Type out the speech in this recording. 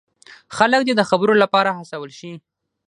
خلک دې د خبرو لپاره هڅول شي.